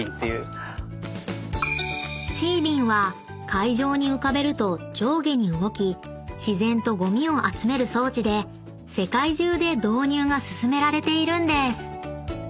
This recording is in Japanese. ［海上に浮かべると上下に動き自然とごみを集める装置で世界中で導入が進められているんです］